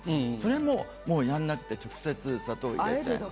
それももうやんなくて、直接砂糖入れて。